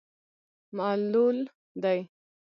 معلول دی.